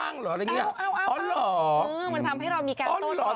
มันทำให้เรามีการตอบเกินมากขึ้น